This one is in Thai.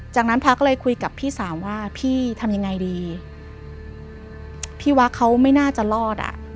จากนั้นพระก็เลยคุยกับพี่สาวว่าพี่ทำยังไงดีพี่ว่าเขาไม่น่าจะรอดอ่ะ